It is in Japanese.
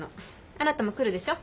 あなたも来るでしょ？